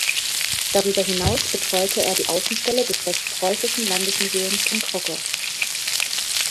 Darüber hinaus betreute er die Außenstelle des Westpreußischen Landesmuseums in Krockow.